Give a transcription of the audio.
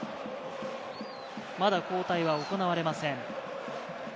まだ交代は行われません。